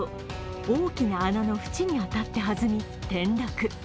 大きな穴の縁に当たって弾み転落。